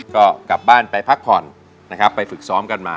ก็กลับบ้านไปพักผ่อนนะครับไปฝึกซ้อมกันมา